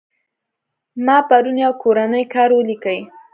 ما پرون يو کورنى کار وليکى.